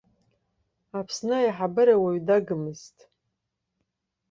Аԥсны аиҳабыра уаҩ дагмызт.